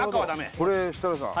これ設楽さん